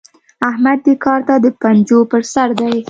احمد دې کار ته د پنجو پر سر دی.